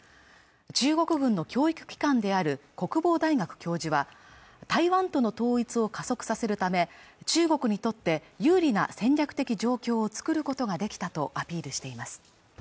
中国軍の教育機関である国防大学教授は台湾との統一を加速させるため中国にとって有利な戦略的状況を作ることができたとアピールしています